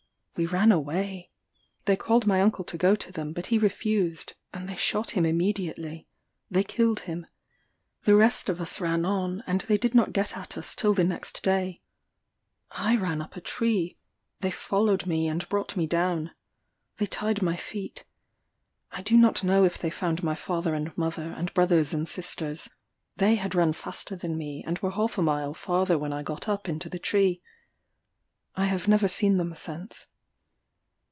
We ran away. They called my uncle to go to them; but he refused, and they shot him immediately: they killed him. The rest of us ran on, and they did not get at us till the next day. I ran up into a tree: they followed me and brought me down. They tied my feet. I do not know if they found my father and mother, and brothers and sisters: they had run faster than me, and were half a mile farther when I got up into the tree: I have never seen them since.